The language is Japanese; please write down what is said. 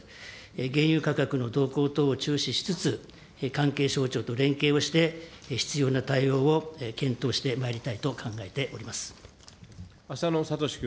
原油価格の動向等を注視しつつ、関係省庁と連携をして、必要な対応を検討してまいりたいと考えております。